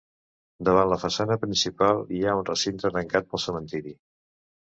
Davant la façana principal hi ha un recinte tancat pel cementiri.